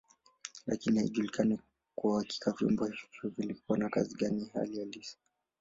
Lakini haijulikani kwa uhakika vyombo hivyo vilikuwa na kazi gani hali halisi.